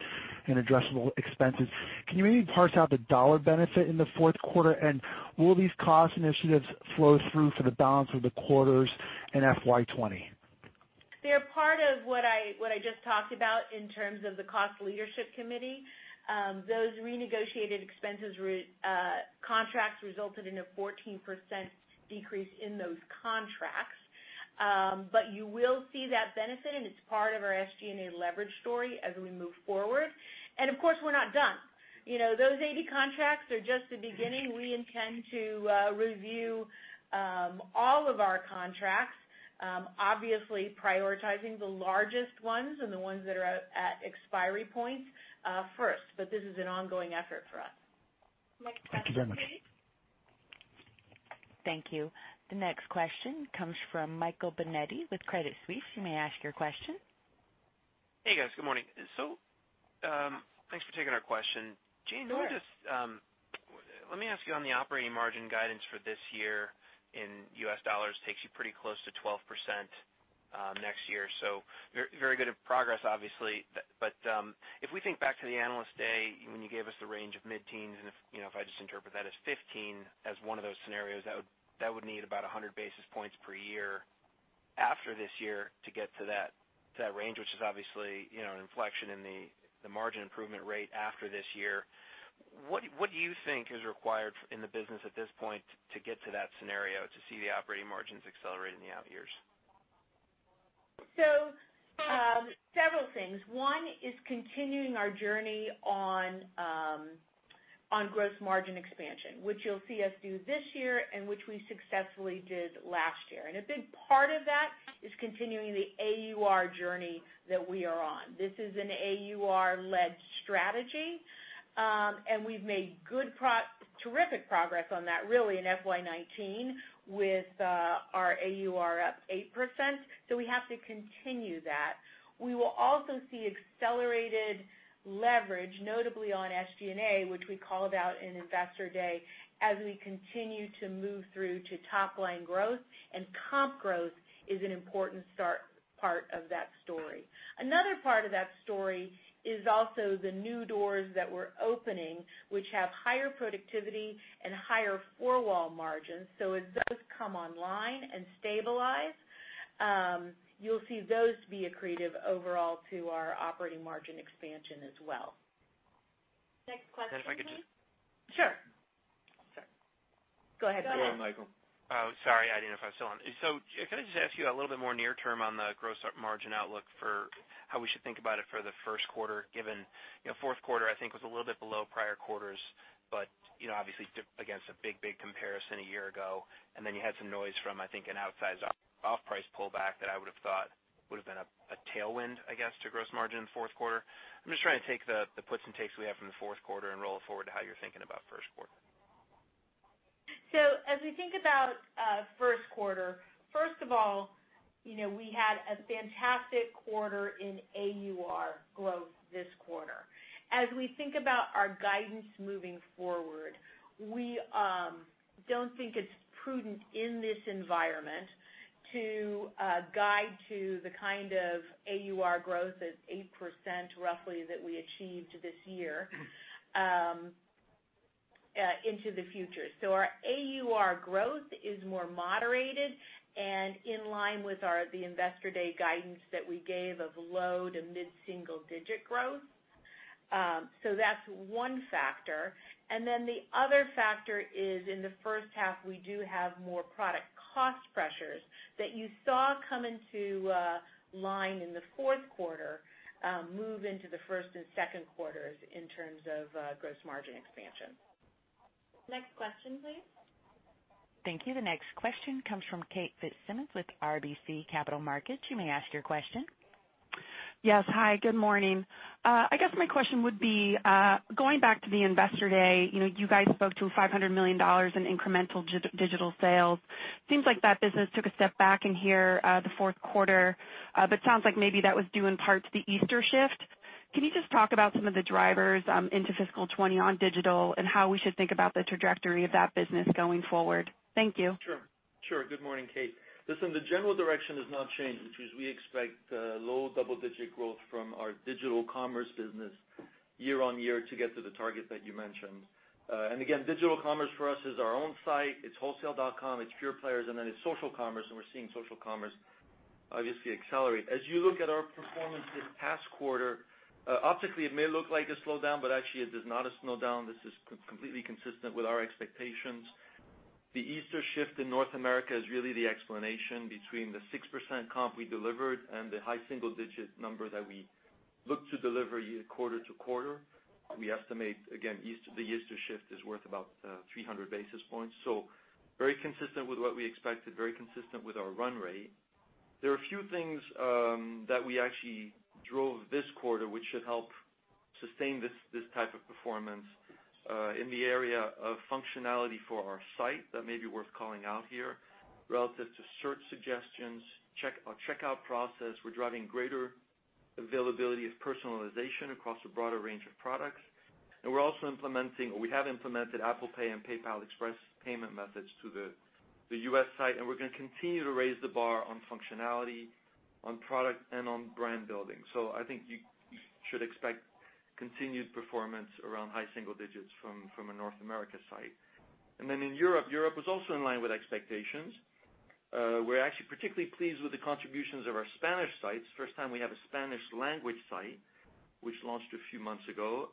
in addressable expenses. Can you maybe parse out the dollar benefit in the fourth quarter, and will these cost initiatives flow through for the balance of the quarters in FY 2020? They're part of what I just talked about in terms of the cost leadership committee. Those renegotiated expenses contracts resulted in a 14% decrease in those contracts. You will see that benefit, and it's part of our SG&A leverage story as we move forward. Of course, we're not done. Those 80 contracts are just the beginning. We intend to review all of our contracts, obviously prioritizing the largest ones and the ones that are at expiry points first. This is an ongoing effort for us. Thank you very much. Next question, please. Thank you. The next question comes from Michael Binetti with Credit Suisse. You may ask your question. Hey, guys. Good morning. Thanks for taking our question. Sure. Jane, let me ask you on the operating margin guidance for this year in US dollars takes you pretty close to 12% next year. Very good progress, obviously. If we think back to the Investor Day, when you gave us the range of mid-teens, and if I just interpret that as 15 as one of those scenarios, that would need about 100 basis points per year after this year to get to that range, which is obviously an inflection in the margin improvement rate after this year. What do you think is required in the business at this point to get to that scenario, to see the operating margins accelerate in the out years? Several things. One is continuing our journey on gross margin expansion, which you'll see us do this year, and which we successfully did last year. A big part of that is continuing the AUR journey that we are on. This is an AUR led strategy, and we've made terrific progress on that, really, in FY 2019 with our AUR up 8%, so we have to continue that. We will also see accelerated leverage, notably on SG&A, which we called out in Investor Day, as we continue to move through to top-line growth, and comp growth is an important part of that story. Another part of that story is also the new doors that we're opening, which have higher productivity and higher four-wall margins. As those come online and stabilize, you'll see those be accretive overall to our operating margin expansion as well. Next question, please. If I could just- Sure. Sorry. Go ahead. Go ahead, Michael. Sorry. I didn't know if I was still on. Can I just ask you a little bit more near term on the gross margin outlook for how we should think about it for the first quarter, given fourth quarter, I think, was a little bit below prior quarters, but obviously against a big comparison a year ago. Then you had some noise from, I think, an outsized off-price pullback that I would've thought would've been a tailwind, I guess, to gross margin in the fourth quarter. I'm just trying to take the puts and takes we have from the fourth quarter and roll it forward to how you're thinking about first quarter. As we think about first quarter, first of all, we had a fantastic quarter in AUR growth this quarter. As we think about our guidance moving forward, we don't think it's prudent in this environment to guide to the kind of AUR growth as 8%, roughly, that we achieved this year into the future. Our AUR growth is more moderated and in line with the Investor Day guidance that we gave of low to mid-single digit growth. That's one factor. The other factor is in the first half, we do have more product cost pressures that you saw come into line in the fourth quarter, move into the first and second quarters in terms of gross margin expansion. Next question, please. Thank you. The next question comes from Kate Fitzsimons with RBC Capital Markets. You may ask your question. Yes. Hi, good morning. I guess my question would be, going back to the Investor Day, you guys spoke to $500 million in incremental digital sales. Seems like that business took a step back in here the fourth quarter, but sounds like maybe that was due in part to the Easter shift. Can you just talk about some of the drivers into FY 2020 on digital, and how we should think about the trajectory of that business going forward? Thank you. Sure. Good morning, Kate. Listen, the general direction has not changed, which is we expect low double-digit growth from our digital commerce business year-over-year to get to the target that you mentioned. Digital commerce for us is our own site, it's wholesale.com, it's pure players, and social commerce, and we're seeing social commerce obviously accelerate. As you look at our performance this past quarter, optically, it may look like a slowdown, but actually it is not a slowdown. This is completely consistent with our expectations. The Easter shift in North America is really the explanation between the 6% comp we delivered and the high single-digit number that we look to deliver quarter-over-quarter. We estimate, again, the Easter shift is worth about 300 basis points. Very consistent with what we expected, very consistent with our run rate. There are a few things that we actually drove this quarter, which should help sustain this type of performance, in the area of functionality for our site that may be worth calling out here relative to search suggestions, our checkout process. We're driving greater availability of personalization across a broader range of products. We're also implementing, or we have implemented Apple Pay and PayPal Express payment methods to the U.S. site, and we're going to continue to raise the bar on functionality, on product, and on brand building. I think you should expect continued performance around high single digits from a North America site. In Europe was also in line with expectations. We're actually particularly pleased with the contributions of our Spanish sites. First time we have a Spanish language site, which launched a few months ago.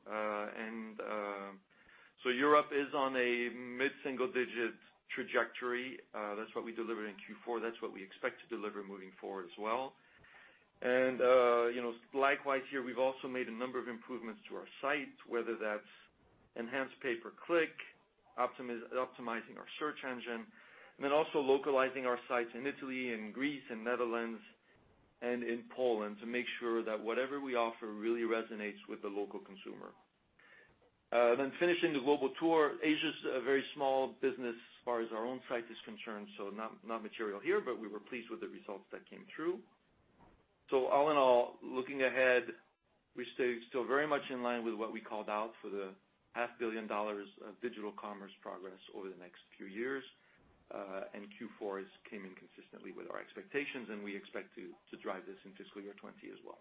Europe is on a mid-single digit trajectory. That's what we delivered in Q4. That's what we expect to deliver moving forward as well. Likewise here, we've also made a number of improvements to our site, whether that's enhanced pay per click, optimizing our search engine, and also localizing our sites in Italy and Greece and Netherlands and in Poland to make sure that whatever we offer really resonates with the local consumer. Finishing the global tour, Asia's a very small business as far as our own site is concerned, so not material here, but we were pleased with the results that came through. All in all, looking ahead, we stay still very much in line with what we called out for the half billion dollars of digital commerce progress over the next few years. Q4 came in consistently with our expectations, and we expect to drive this in FY 2020 as well.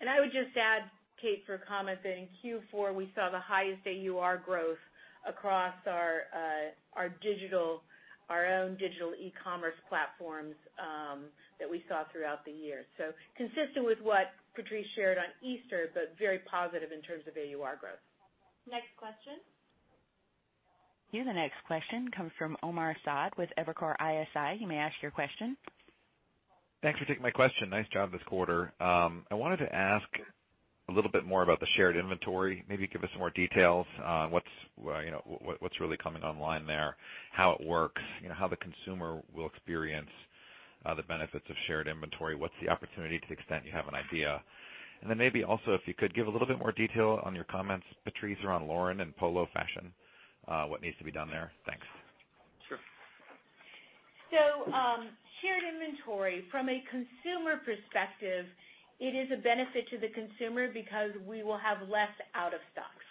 I would just add, Kate, for comments that in Q4, we saw the highest AUR growth across our own digital e-commerce platforms that we saw throughout the year. Consistent with what Patrice shared on Easter, but very positive in terms of AUR growth. Next question. Here, the next question comes from Omar Saad with Evercore ISI. You may ask your question. Thanks for taking my question. Nice job this quarter. I wanted to ask a little bit more about the shared inventory. Maybe give us some more details on what's really coming online there, how it works, how the consumer will experience the benefits of shared inventory, what's the opportunity to the extent you have an idea. Maybe also, if you could give a little bit more detail on your comments, Patrice, around Lauren and Polo fashion, what needs to be done there? Thanks. Sure. Shared inventory, from a consumer perspective, it is a benefit to the consumer because we will have less out of stocks.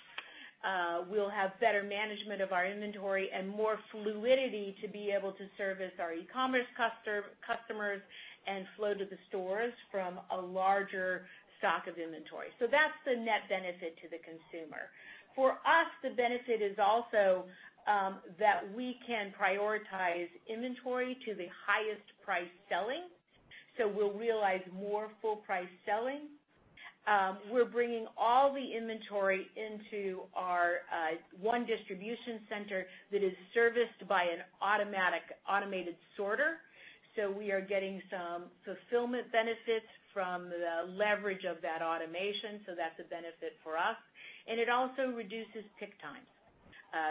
We'll have better management of our inventory and more fluidity to be able to service our e-commerce customers and flow to the stores from a larger stock of inventory. That's the net benefit to the consumer. For us, the benefit is also that we can prioritize inventory to the highest price selling. We'll realize more full price selling. We're bringing all the inventory into our one distribution center that is serviced by an automated sorter. We are getting some fulfillment benefits from the leverage of that automation, so that's a benefit for us. It also reduces pick time.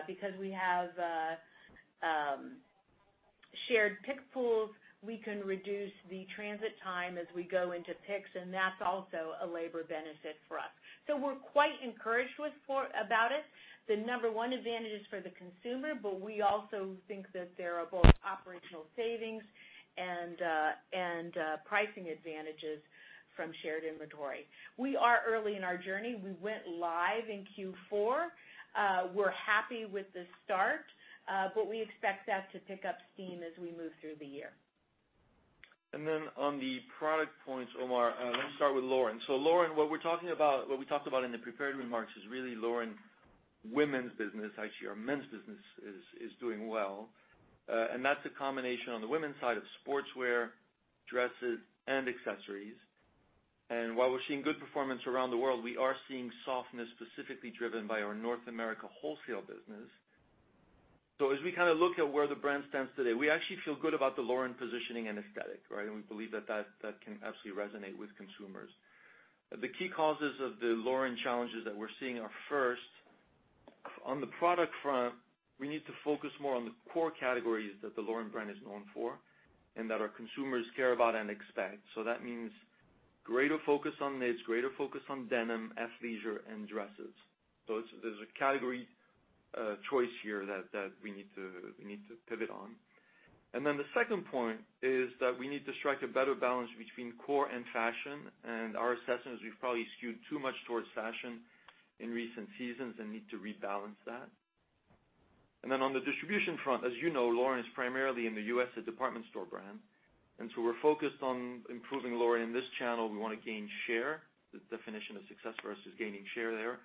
Because we have shared pick pools, we can reduce the transit time as we go into picks, and that's also a labor benefit for us. We're quite encouraged about it. The number 1 advantage is for the consumer, but we also think that there are both operational savings and pricing advantages from shared inventory. We are early in our journey. We went live in Q4. We're happy with the start, but we expect that to pick up steam as we move through the year. On the product points, Omar, let me start with Lauren. Lauren, what we talked about in the prepared remarks is really Lauren women's business. Actually, our men's business is doing well. That's a combination on the women's side of sportswear, dresses, and accessories. While we're seeing good performance around the world, we are seeing softness specifically driven by our North America wholesale business. As we look at where the brand stands today, we actually feel good about the Lauren positioning and aesthetic. We believe that that can absolutely resonate with consumers. The key causes of the Lauren challenges that we're seeing are, first, on the product front, we need to focus more on the core categories that the Lauren brand is known for and that our consumers care about and expect. That means greater focus on knits, greater focus on denim, athleisure, and dresses. There's a category choice here that we need to pivot on. The second point is that we need to strike a better balance between core and fashion. Our assessment is we've probably skewed too much towards fashion in recent seasons and need to rebalance that. On the distribution front, as you know, Lauren is primarily in the U.S. a department store brand, so we're focused on improving Lauren in this channel. We want to gain share. The definition of success for us is gaining share there.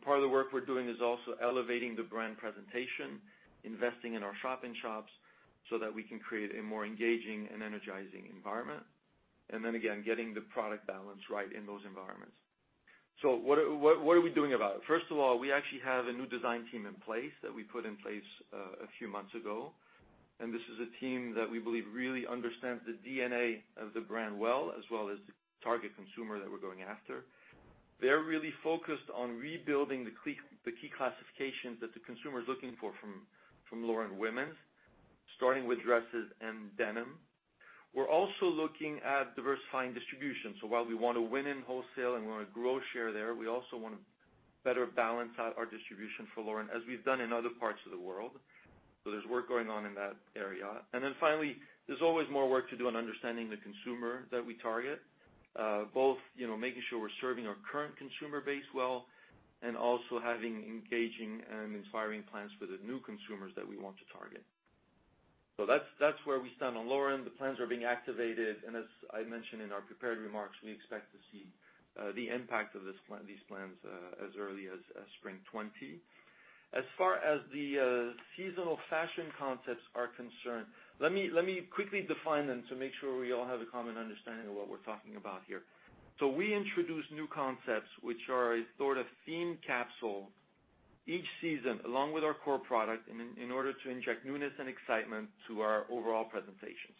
Part of the work we're doing is also elevating the brand presentation, investing in our shop-in-shops so that we can create a more engaging and energizing environment. Again, getting the product balance right in those environments. What are we doing about it? First of all, we actually have a new design team in place that we put in place a few months ago. This is a team that we believe really understands the DNA of the brand well, as well as the target consumer that we're going after. They're really focused on rebuilding the key classifications that the consumer is looking for from Lauren women's, starting with dresses and denim. We're also looking at diversifying distribution. While we want to win in wholesale and we want to grow share there, we also want to better balance out our distribution for Lauren as we've done in other parts of the world. There's work going on in that area. Finally, there's always more work to do on understanding the consumer that we target, both making sure we're serving our current consumer base well and also having engaging and inspiring plans for the new consumers that we want to target. That's where we stand on Lauren. The plans are being activated, and as I mentioned in our prepared remarks, we expect to see the impact of these plans as early as Spring 2020. As far as the seasonal fashion concepts are concerned, let me quickly define them to make sure we all have a common understanding of what we're talking about here. We introduce new concepts, which are a sort of themed capsule each season, along with our core product, in order to inject newness and excitement to our overall presentations.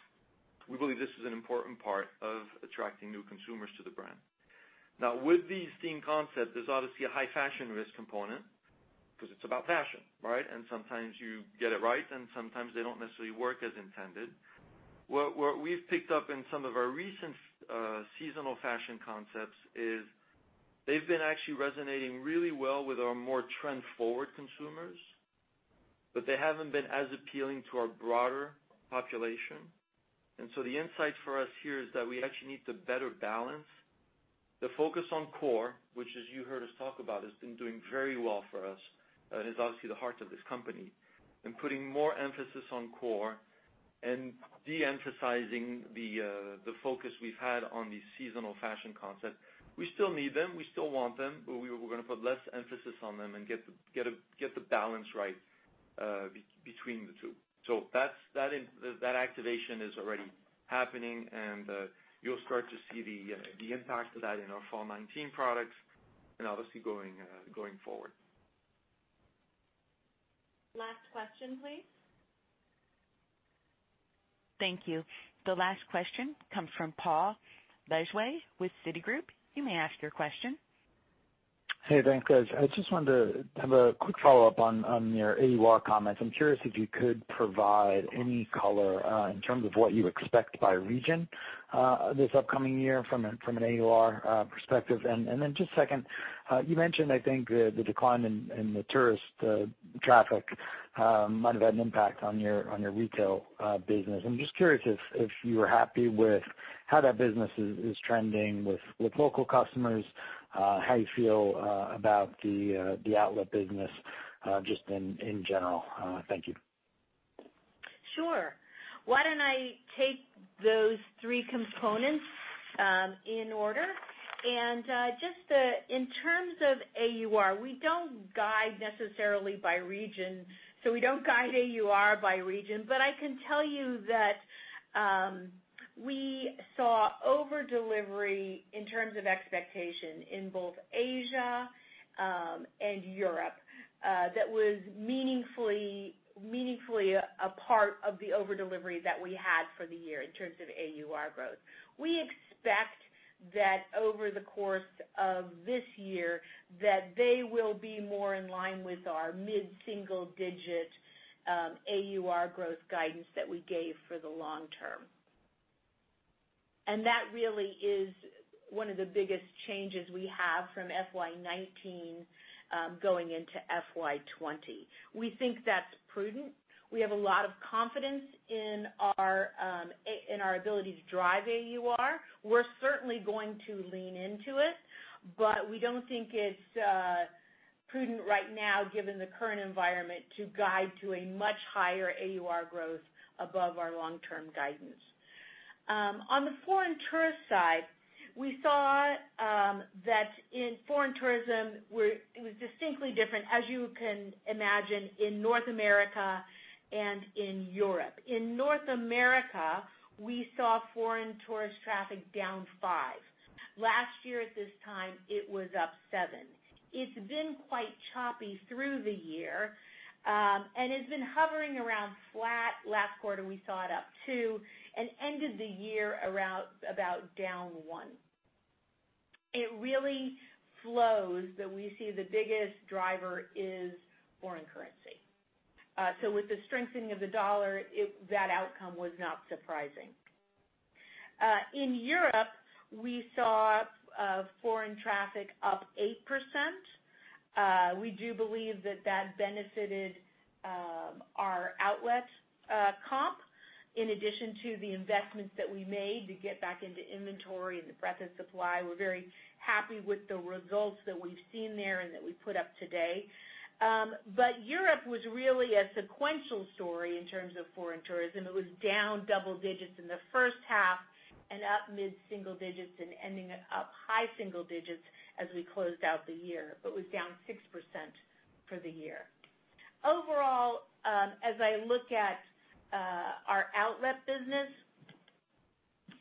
We believe this is an important part of attracting new consumers to the brand. Now, with these themed concepts, there's obviously a high fashion risk component because it's about fashion. Sometimes you get it right, and sometimes they don't necessarily work as intended. What we've picked up in some of our recent seasonal fashion concepts is they've been actually resonating really well with our more trend-forward consumers, but they haven't been as appealing to our broader population. The insight for us here is that we actually need to better balance the focus on core, which as you heard us talk about, has been doing very well for us, and is obviously the heart of this company, and putting more emphasis on core and de-emphasizing the focus we've had on the seasonal fashion concept. We still need them, we still want them, but we're going to put less emphasis on them and get the balance right between the two. That activation is already happening, and you'll start to see the impact of that in our fall 2019 products and obviously going forward. Last question, please. Thank you. The last question comes from Paul Lejuez with Citigroup. You may ask your question. Hey, thanks, guys. I just wanted to have a quick follow-up on your AUR comments. I'm curious if you could provide any color in terms of what you expect by region this upcoming year from an AUR perspective. Then just second, you mentioned, I think, the decline in the tourist traffic might have had an impact on your retail business. I'm just curious if you are happy with how that business is trending with local customers. How you feel about the outlet business just in general. Thank you. Sure. Why don't I take those three components in order? Just in terms of AUR, we don't guide necessarily by region. We don't guide AUR by region. I can tell you that we saw over-delivery in terms of expectation in both Asia and Europe. That was meaningfully a part of the over-delivery that we had for the year in terms of AUR growth. We expect that over the course of this year that they will be more in line with our mid-single-digit AUR growth guidance that we gave for the long term. That really is one of the biggest changes we have from FY 2019 going into FY 2020. We think that's prudent. We have a lot of confidence in our ability to drive AUR. We're certainly going to lean into it. We don't think it's prudent right now, given the current environment, to guide to a much higher AUR growth above our long-term guidance. On the foreign tourist side, we saw that in foreign tourism, it was distinctly different, as you can imagine, in North America and in Europe. In North America, we saw foreign tourist traffic down 5%. Last year at this time, it was up 7%. It's been quite choppy through the year, and it's been hovering around flat. Last quarter, we saw it up 2%, and ended the year about down 1%. It really flows that we see the biggest driver is foreign currency. With the strengthening of the U.S. dollar, that outcome was not surprising. In Europe, we saw foreign traffic up 8%. We do believe that that benefited our outlet comp, in addition to the investments that we made to get back into inventory and the breadth of supply. We're very happy with the results that we've seen there and that we put up today. Europe was really a sequential story in terms of foreign tourism. It was down double digits in the first half and up mid-single digits and ending up high single digits as we closed out the year. It was down 6% for the year. Overall, as I look at our outlet business,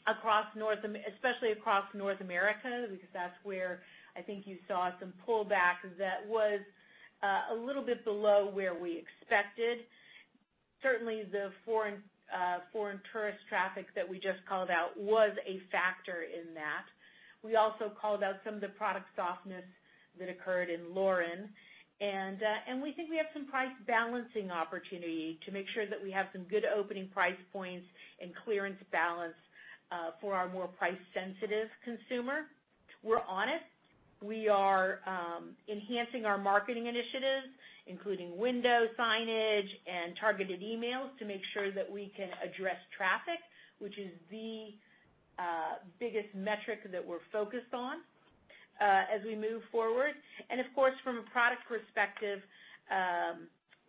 especially across North America, because that's where I think you saw some pullback that was a little bit below where we expected. Certainly, the foreign tourist traffic that we just called out was a factor in that. We also called out some of the product softness that occurred in Lauren. We think we have some price balancing opportunity to make sure that we have some good opening price points and clearance balance for our more price-sensitive consumer. We're on it. We are enhancing our marketing initiatives, including window signage and targeted emails, to make sure that we can address traffic, which is the biggest metric that we're focused on as we move forward. Of course, from a product perspective,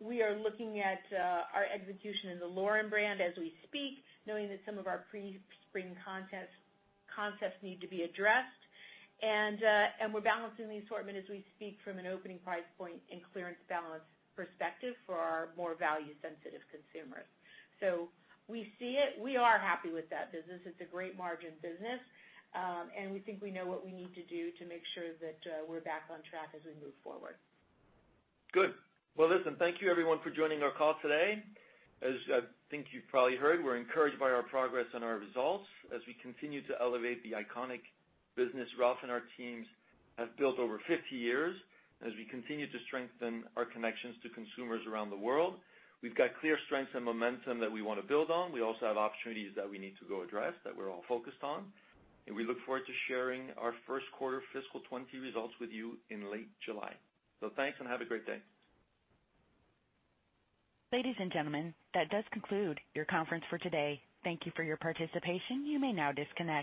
we are looking at our execution in the Lauren brand as we speak, knowing that some of our pre-spring concepts need to be addressed. We're balancing the assortment as we speak from an opening price point and clearance balance perspective for our more value-sensitive consumers. We see it. We are happy with that business. It's a great margin business. We think we know what we need to do to make sure that we're back on track as we move forward. Good. Well, listen, thank you everyone for joining our call today. As I think you've probably heard, we're encouraged by our progress and our results as we continue to elevate the iconic business Ralph and our teams have built over 50 years as we continue to strengthen our connections to consumers around the world. We've got clear strengths and momentum that we want to build on. We also have opportunities that we need to go address that we're all focused on. We look forward to sharing our first quarter FY 2020 results with you in late July. Thanks, and have a great day. Ladies and gentlemen, that does conclude your conference for today. Thank you for your participation. You may now disconnect.